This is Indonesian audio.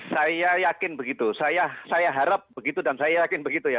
saya yakin begitu saya harap begitu dan saya yakin begitu ya